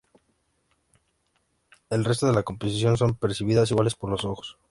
El resto de la composición son percibidas iguales por los ojos.